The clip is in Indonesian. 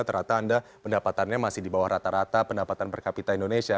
ternyata anda pendapatannya masih di bawah rata rata pendapatan per kapita indonesia